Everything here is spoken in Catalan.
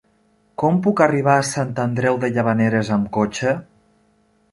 Com puc arribar a Sant Andreu de Llavaneres amb cotxe?